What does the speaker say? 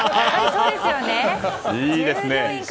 いいですね。